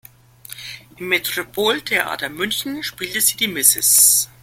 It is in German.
Im Metropoltheater München spielte sie die Mrs.